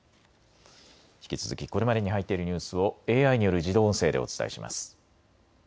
引き続きこれまでに入っているニュースをＡＩによる自動音声でお伝えします。